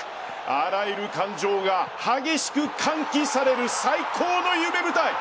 あらゆる感情が激しく喚起される最高の夢舞台！